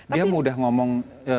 dia mudah ngomong